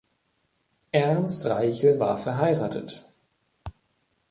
Ernst Reichel war verheiratet.